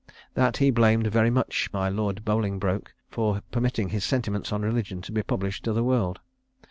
That he blamed very much my Lord Bolingbroke for permitting his sentiments on religion to be published to the world.